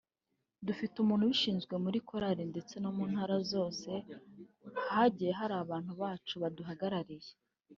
Dufite umuntu ubishinzwe muri korali ndetse no mu ntara zose hagiye hari abantu bacu baduhagarariye